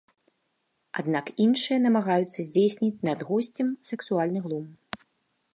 Аднак іншыя намагаюцца здзейсніць над госцем сексуальны глум.